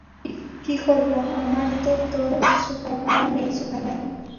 কী করবো, আমার তো তোর মতো সুপারপাওয়ার নেই, সুপারম্যান।